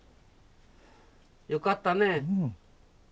よかったね。